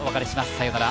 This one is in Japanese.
さようなら。